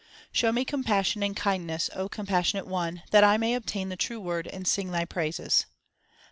Show me compassion and kindness, O Compassionate One, that I may obtain the true Word and sing Thy praises.